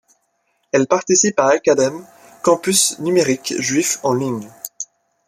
Elle participe à Akadem, campus numérique juif en ligne.